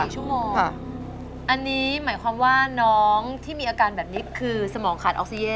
๔ชั่วโมงอันนี้หมายความว่าน้องที่มีอาการแบบนี้คือสมองขาดออกซิเจน